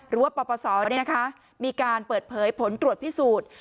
ปปศมีการเปิดเผยผลตรวจพิสูจน์